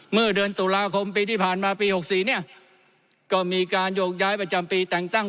เมื่อเดือนตุลาคมปีที่ผ่านมาปี๖๔เนี่ยก็มีการโยกย้ายประจำปีแต่งตั้ง